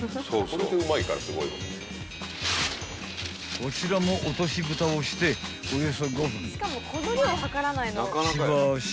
［こちらも落としぶたをしておよそ］